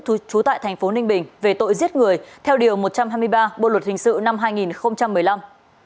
trú tại thành phố ninh bình về tội giết người theo điều một trăm hai mươi ba bộ luật hình sự năm hai nghìn một mươi năm